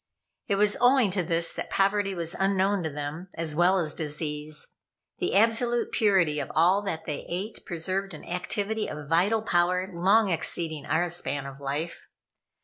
It was owing to this that poverty was unknown to them, as well as disease. The absolute purity of all that they ate preserved an activity of vital power long exceeding our span of life.